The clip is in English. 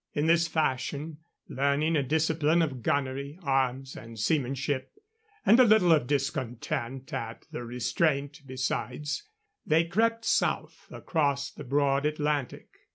In this fashion, learning a discipline of gunnery, arms, and seamanship, and a little of discontent at the restraint besides, they crept south and across the broad Atlantic.